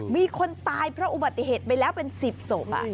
มีคนตายเพราะอุบัติเหตุไปแล้วเป็น๑๐ศพ